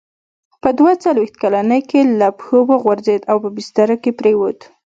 په دوه څلوېښت کلنۍ کې له پښو وغورځېد او په بستره کې پرېووت.